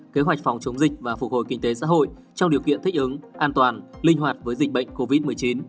kế hoạch phòng chống dịch và phục hồi kinh tế xã hội trong điều kiện thích ứng an toàn linh hoạt với dịch bệnh covid một mươi chín